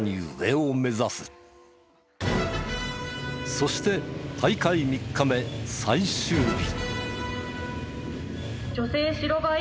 そして大会３日目最終日。